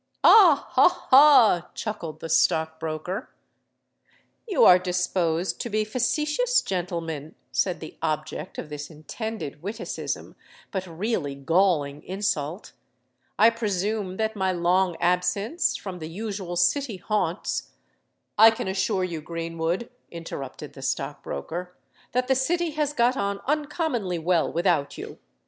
"Ah! ha! ha!" chuckled the stockbroker. "You are disposed to be facetious, gentlemen," said the object of this intended witticism but really galling insult: "I presume that my long absence from the usual City haunts——" "I can assure you, Greenwood," interrupted the stockbroker, "that the City has got on uncommonly well without you.